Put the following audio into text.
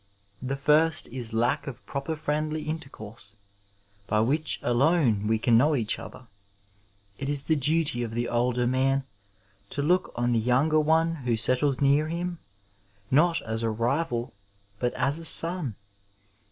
The first is lack of proper friendly intercourse, by which alone we can know each other. It is the duty of the older man to look on the younger one who settles near himnot asa rival, but as a son.